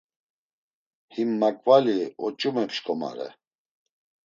Him makvali oç̌ume pşǩomare.